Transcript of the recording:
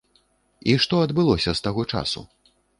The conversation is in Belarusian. І што адбылося з таго часу?